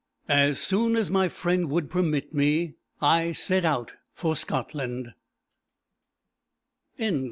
As soon as my friend would permit me, I set out for Scotland.